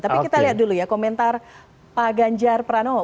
tapi kita lihat dulu ya komentar pak ganjar pranowo